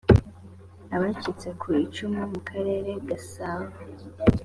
abacitse ku icumu mu karere gasabo